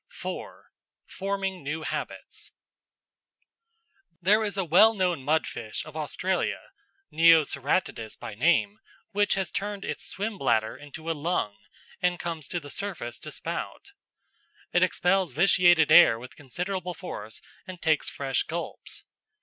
§ 4 Forming New Habits There is a well known mudfish of Australia, Neoceratodus by name, which has turned its swim bladder into a lung and comes to the surface to spout. It expels vitiated air with considerable force and takes fresh gulps.